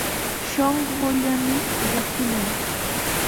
Shuqullaami llakinan.